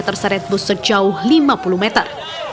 terseret bus sejauh lima puluh meter